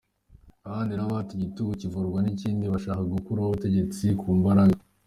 Abandi nabo bati igitugu kivurwa n’ikindi, bashaka gukuraho ubutegetsi ku mbaraga.